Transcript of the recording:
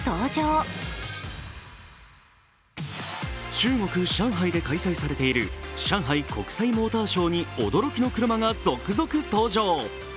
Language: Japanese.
中国・上海で開催されている上海国際モーターショーに驚きの車が続々登場。